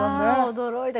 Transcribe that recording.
驚いた。